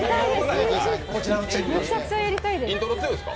めちゃくちゃやりたいです。